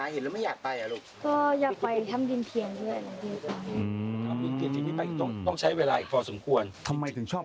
เห็นตั้งแต่เด็กก็เลยชอบ